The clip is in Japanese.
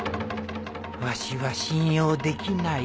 わしは信用できない？